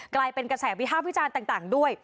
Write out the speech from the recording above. กลายเป็นกระแสวิภาพวิจารณ์ต่างด้วย